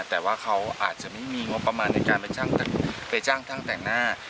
แต่ว่าเขาอาจจะไม่มีงบประมาณในการไปจ้างช่างแต่งหน้า